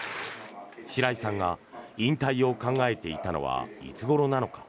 白井さんが引退を考えていたのはいつごろなのか